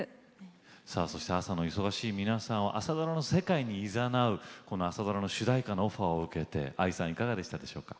そして朝の忙しい皆さんを朝ドラの世界にいざなうこの朝ドラの主題歌のオファーを受けてＡＩさんいかがでしたでしょうか？